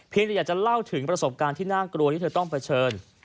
อยากจะเล่าถึงประสบการณ์ที่น่ากลัวที่เธอต้องเผชิญ